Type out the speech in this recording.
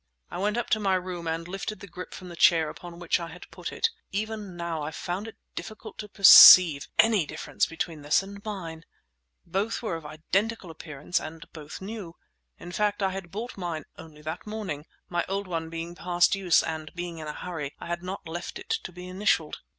I went up to my room and lifted the grip from the chair upon which I had put it. Even now I found it difficult to perceive any difference between this and mine. Both were of identical appearance and both new. In fact, I had bought mine only that morning, my old one being past use, and being in a hurry, I had not left it to be initialled.